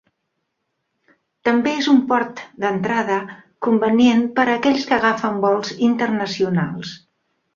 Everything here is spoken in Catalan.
També és un port d'entrada convenient per aquells que agafen vols internacionals.